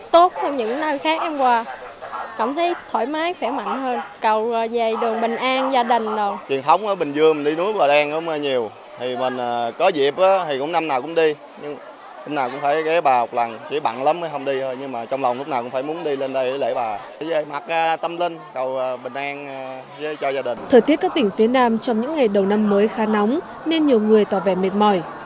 thời tiết các tỉnh phía nam trong những ngày đầu năm mới khá nóng nên nhiều người tỏ vẻ mệt mỏi